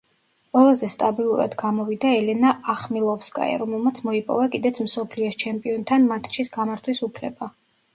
ყველაზე სტაბილურად გამოვიდა ელენა ახმილოვსკაია, რომელმაც მოიპოვა კიდეც მსოფლიოს ჩემპიონთან მატჩის გამართვის უფლება.